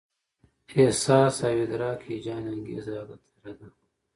احساس او ادراک، هيجان، انګېزه، عادت، اراده